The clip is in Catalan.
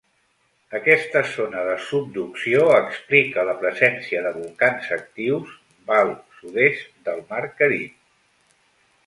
Aquesta zona de subducció explica la presència de volcans actius val sud-est del mar Carib.